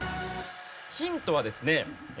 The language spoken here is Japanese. ヒントはですね